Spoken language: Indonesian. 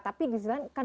tapi di sebagian